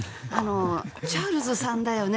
チャールズさんだよね